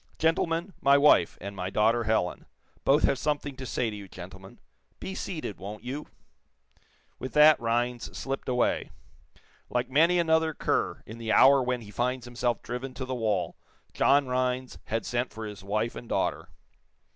"Gentlemen, my wife, and my daughter, Helen. Both have something to say to you, gentlemen. Be seated, won't you?" With that Rhinds slipped away. Like many another cur, in the hour when he finds himself driven to the wall, John Rhinds had sent for his wife and daughter.